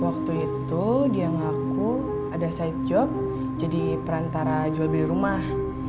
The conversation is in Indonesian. waktu itu dia ngaku ada side job jadi perantara jual beli rumah